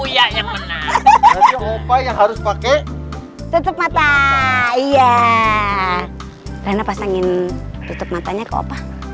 yang harus pakai tutup mata iya karena pasangin tutup matanya ke opah